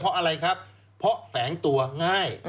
เพราะอะไรครับเพราะแฝงตัวง่าย